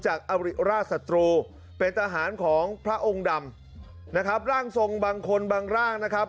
อริราชศัตรูเป็นทหารของพระองค์ดำนะครับร่างทรงบางคนบางร่างนะครับ